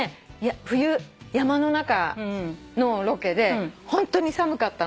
冬山の中のロケでホントに寒かったの。